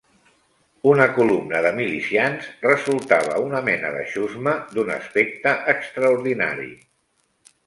Una columna de milicians resultava una mena de xusma d'un aspecte extraordinari